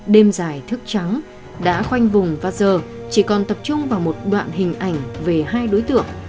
đêm dài thức trắng đã khoanh vùng và giờ chỉ còn tập trung vào một đoạn hình ảnh về hai đối tượng